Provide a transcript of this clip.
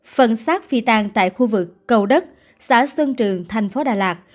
phần sát phi tàn tại khu vực cầu đất xã sơn trường thành phố đà lạt